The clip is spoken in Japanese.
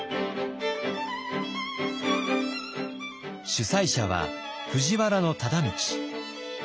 主催者は藤原忠通。